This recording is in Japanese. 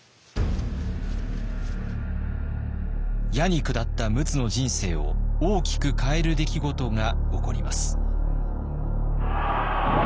野に下った陸奥の人生を大きく変える出来事が起こります。